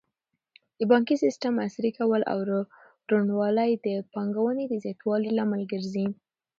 د بانکي سیسټم عصري کول او روڼوالی د پانګونې د زیاتوالي لامل ګرځي.